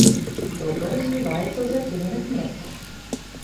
Добра развіваецца ў зацененых месцах.